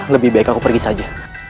lebih baik aku pergi saja